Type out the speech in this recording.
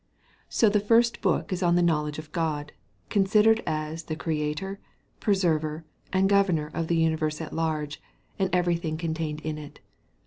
So the first book is on the knowledge of God, considered as the Creator, Preserver, and Governor of the universe at large, and every thing contained in it.